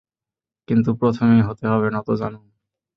কিন্তু প্রথমেই, হতে হবে নতজানু।